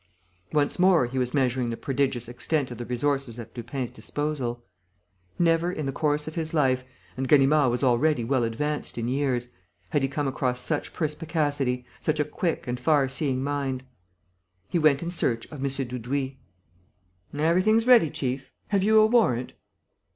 Once more he was measuring the prodigious extent of the resources at Lupin's disposal. Never in the course of his life and Ganimard was already well advanced in years had he come across such perspicacity, such a quick and far seeing mind. He went in search of M. Dudouis. "Everything's ready, chief. Have you a warrant?"